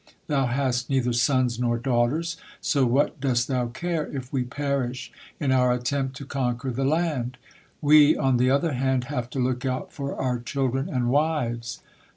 Thou hast neither sons nor daughters, so what dost thou care if we perish in our attempt to conquer the land? We, on the other hand, have to look out for our children and wives."